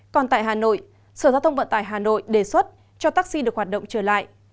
còn tại hà nội sở giao thông vận tải hà nội đề xuất cho taxi được hoạt động trở lại